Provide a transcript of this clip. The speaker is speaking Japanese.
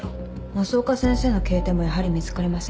増岡先生の携帯もやはり見つかりません。